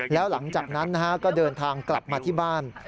แล้วหลังจากนั้นก็เดินทางกลับมาที่บ้าน